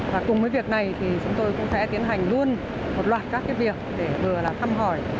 và cùng với việc này thì chúng tôi cũng sẽ tiến hành luôn một loạt các việc để vừa là thăm hỏi